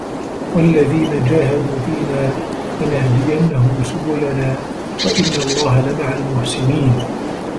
وَالَّذينَ جاهَدوا فينا لَنَهدِيَنَّهُم سُبُلَنا وَإِنَّ اللَّهَ لَمَعَ المُحسِنينَ